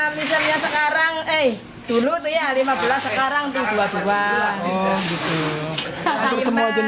misalnya sekarang dulu rp lima belas sekarang rp dua puluh dua